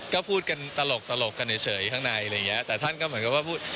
ก็พูดกันตลกตลกกันเฉยข้างในอะไรอย่างเงี้ยแต่ท่านก็เหมือนกับว่าพูด